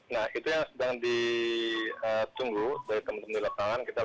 nah itu yang sedang ditunggu dari teman teman di lapangan